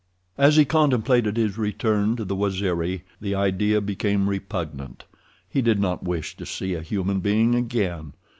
As he contemplated his return to the Waziri the idea became repugnant. He did not wish to see a human being again.